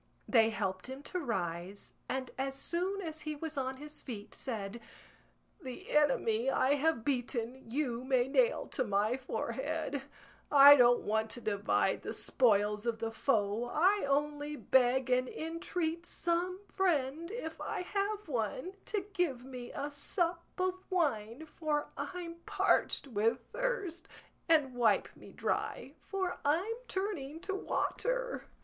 They helped him to rise, and as soon as he was on his feet said, "The enemy I have beaten you may nail to my forehead; I don't want to divide the spoils of the foe, I only beg and entreat some friend, if I have one, to give me a sup of wine, for I'm parched with thirst, and wipe me dry, for I'm turning to water."